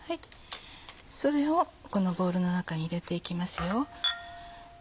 それをこのボウルの中に入れて行きますよ。